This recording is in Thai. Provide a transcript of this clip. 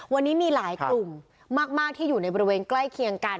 วันนี้มีหลายกลุ่มมากที่อยู่ในบริเวณใกล้เคียงกัน